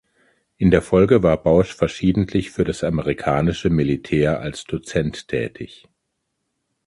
In der Folge war Bausch verschiedentlich für das amerikanische Militär als Dozent tätig.